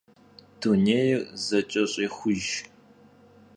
Dunêyr zeç'eş'êxujj.